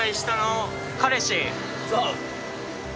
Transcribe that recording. そう。